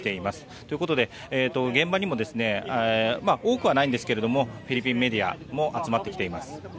ということで現場にも多くはないんですがフィリピンメディアも集まってきています。